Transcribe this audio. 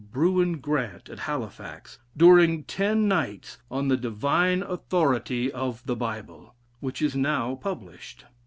Brewin Grant, at Halifax, during ten nights, on the "Divine Authority of the Bible," which is now published.